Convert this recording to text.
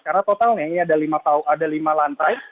karena totalnya ini ada lima lantai